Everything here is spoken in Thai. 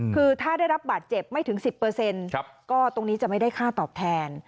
คือถ้าได้รับบาดเจ็บไม่ถึง๑๐ก็ตรงนี้จะไม่ได้ค่าตอบแทน